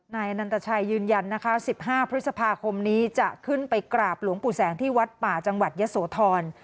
นายนันตชัยยืนยันนะคะ๑๕พฤษภาคมนี้จะขึ้นไปกราบหลวงปู่แสงที่วัดป่าจังหวัดยะโสธร